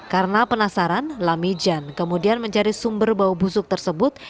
karena penasaran lami jan kemudian mencari sumber bau busuk tersebut